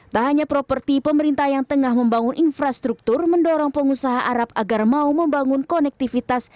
tak hanya properti pemerintah yang tengah membangun infrastruktur mendorong pengusaha arab agar mau membangun konektivitas